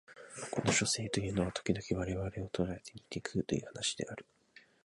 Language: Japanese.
この書生というのは時々我々を捕えて煮て食うという話である